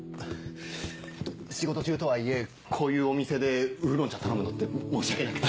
仕事中とはいえこういうお店でウーロン茶頼むのって申し訳なくて。